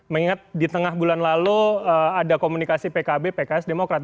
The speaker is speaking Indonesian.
mengingat di tengah bulan lalu ada komunikasi pkb pks demokrat